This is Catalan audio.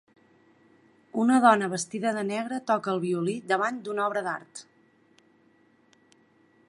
Una dona vestida de negre toca el violí davant d"una obra d"art.